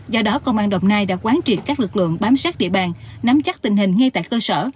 do đó công an đồng nai đã quán triệt các lực lượng bám sát địa bàn nắm chắc tình hình ngay tại cơ sở